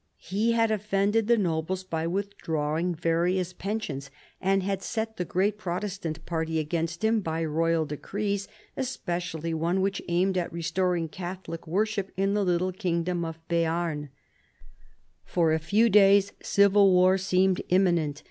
He had offended the nobles by withdrawing various pensions, and had set the great Protestant party against him by royal decrees, especially one which aimed at restoring Catholic worship in the little kingdom of Beam. For a few days civil war seemed imminent.